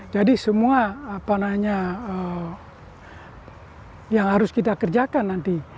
jadi semua apa nanya yang harus kita kerjakan nanti